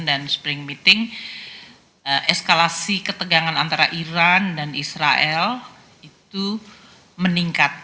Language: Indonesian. dan spring meeting eskalasi ketegangan antara iran dan israel itu meningkat